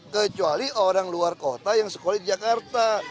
kecuali orang luar kota yang sekolah di jakarta